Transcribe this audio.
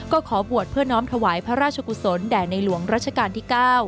ก็ขอบวชเพื่อน้อมถวายพระราชกุศลแด่ในหลวงรัชกาลที่๙